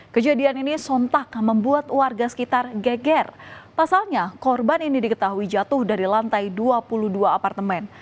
kejadian ini sontak membuat warga sekitar geger pasalnya korban ini diketahui jatuh dari lantai dua puluh dua apartemen